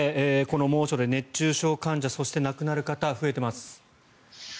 この猛暑で熱中症患者そして亡くなる方が増えています。